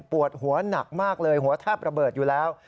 ปวดหัวหนักมากเลยหัวแทบระเบิดอยู่แล้ว